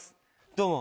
どうも。